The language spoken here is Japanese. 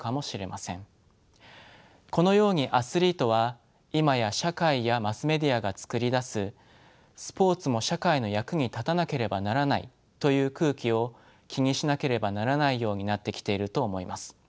このようにアスリートは今や社会やマスメディアが作り出す「スポーツも社会の役に立たなければならない」という空気を気にしなければならないようになってきていると思います。